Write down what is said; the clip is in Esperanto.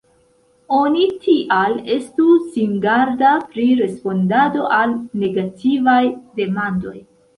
Oni tial estu singarda pri respondado al negativaj demandoj.